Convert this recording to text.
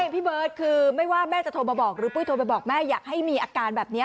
พี่เบิร์ตคือไม่ว่าแม่จะโทรมาบอกหรือปุ้ยโทรไปบอกแม่อยากให้มีอาการแบบนี้